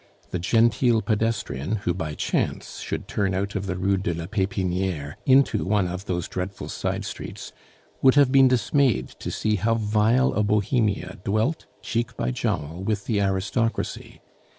The genteel pedestrian, who by chance should turn out of the Rue de la Pepiniere into one of those dreadful side streets, would have been dismayed to see how vile a bohemia dwelt cheek by jowl with the aristocracy.